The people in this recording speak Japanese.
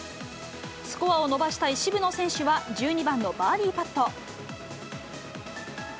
スコアを伸ばしたい渋野選手は、１２番のバーディーパット。